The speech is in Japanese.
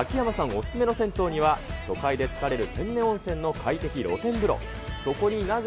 お勧めの銭湯には、都会でつかれる天然温泉の快適露天風呂。